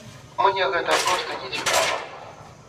Мне гэта проста нецікава.